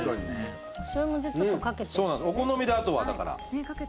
そうなのお好みであとはだから。